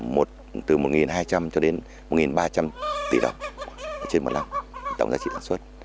một từ một hai trăm linh cho đến một ba trăm linh tỷ đồng trên một năm tổng giá trị sản xuất